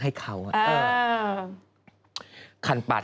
อับค่าตัวนะ